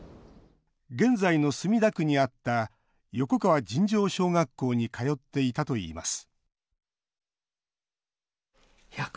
現在の墨田区にあった横川尋常小学校に通っていたといいます